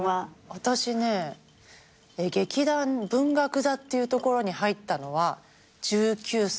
私ね劇団文学座っていうところに入ったのは１９歳です。